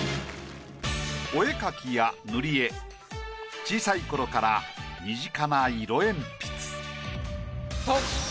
お絵描きや塗り絵小さい頃から身近な色鉛筆。